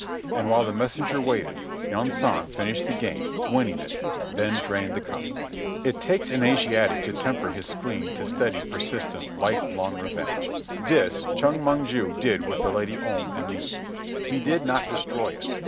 And while the messenger waited Yunsan finished the game, winning it, then drained the cup. It takes an Asiatic to temper his spleen to steady, persistent, life long revenge. This Chong Mong ju did with the Lady Om and me. He did not destroy us.